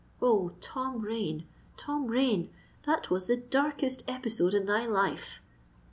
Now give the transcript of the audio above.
Oh! Tom Rain—Tom Rain! that was the darkest episode in thy life!